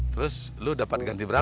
terus lo dapat ganti beratnya